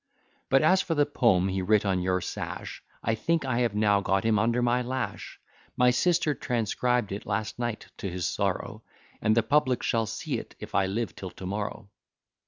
But as for the poem he writ on your sash, I think I have now got him under my lash; My sister transcribed it last night to his sorrow, And the public shall see't, if I live till to morrow.